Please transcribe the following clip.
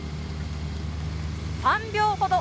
３秒ほど。